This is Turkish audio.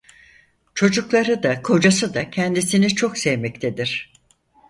Çocukları da kocası da kendisini çok sevmektedir.